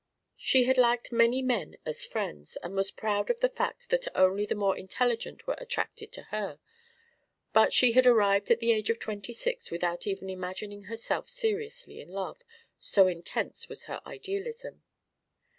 She had liked many men as friends, and was proud of the fact that only the more intelligent were attracted to her, but she had arrived at the age of twenty six without even imagining herself seriously in love, so intense was her idealism.